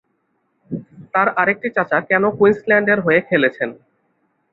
তার আরেকটি চাচা কেন কুইন্সল্যান্ড এর হয়ে খেলেছেন।